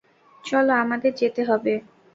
চল, আমাদের যেতে হবে।